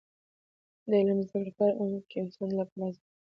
د علم زده کړه په هر عمر کې د انسان لپاره لازمه ده.